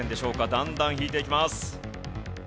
だんだん引いていきます。